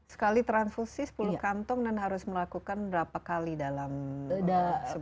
sekali transfusi sepuluh kantong dan harus melakukan berapa kali dalam sebulan